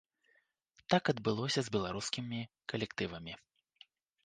Так адбылося з беларускімі калектывамі.